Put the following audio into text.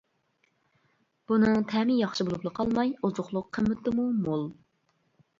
بۇنىڭ تەمى ياخشى بولۇپلا قالماي، ئوزۇقلۇق قىممىتىمۇ مول.